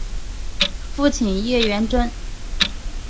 父亲叶原贞。